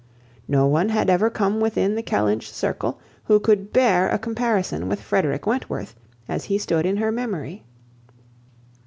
No one had ever come within the Kellynch circle, who could bear a comparison with Frederick Wentworth, as he stood in her memory.